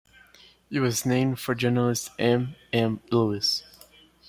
It was named for journalist M. M. Lewis.